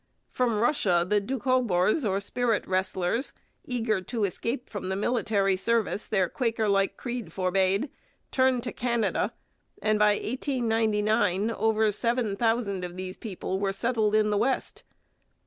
From Russia the Doukhobors or Spirit Wrestlers, eager to escape from the military service their Quakerlike creed forbade, turned to Canada, and by 1899 over seven thousand of these people were settled in the West.